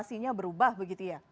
konstelasinya berubah begitu ya